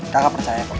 kakak percaya kok